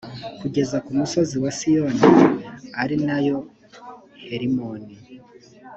kugeza ku musozi wa siyoni ari na yo herimoni,